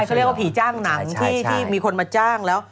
เขาเรียกว่าผีจ้างหนังที่มีคนมาจ้างแล้ว